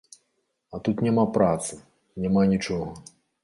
А тут няма працы, няма нічога.